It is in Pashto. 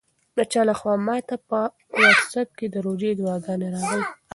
د چا لخوا ماته په واټساپ کې د روژې دعاګانې راغلې.